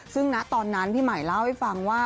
ซึ่งณตอนนั้นพี่ใหม่เล่าให้ฟังว่า